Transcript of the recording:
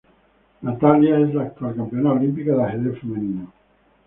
Natalia es la actual campeona olímpica de ajedrez femenino.